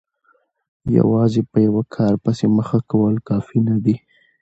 یوازې په یوه کار پسې مخه کول کافي نه دي.